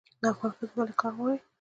افغان ښځې ولې کار غواړي؟